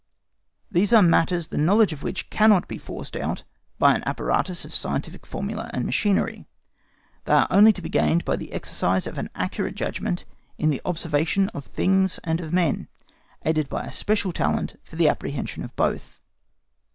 These are matters the knowledge of which cannot be forced out by an apparatus of scientific formula and machinery: they are only to be gained by the exercise of an accurate judgment in the observation of things and of men, aided by a special talent for the apprehension of both.